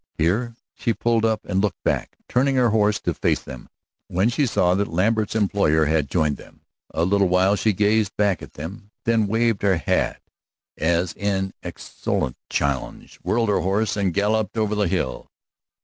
Here she pulled up and looked back, turning her horse to face them when she saw that Lambert's employer had joined him. A little while she gazed back at them, then waved her hat as in exultant challenge, whirled her horse, and galloped over the hill.